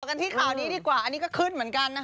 กันที่ข่าวนี้ดีกว่าอันนี้ก็ขึ้นเหมือนกันนะคะ